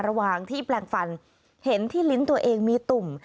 ระหว่างที่แปลงฟันเห็นที่ลิ้นตัวเองมีตุ่ม